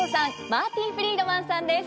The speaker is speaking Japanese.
マーティ・フリードマンさんです。